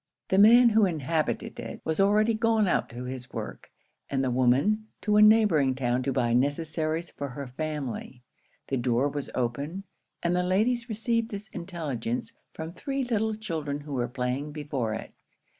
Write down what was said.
The man who inhabited it was already gone out to his work, and the woman to a neighbouring town to buy necessaries for her family. The door was open; and the ladies received this intelligence from three little children who were playing before it.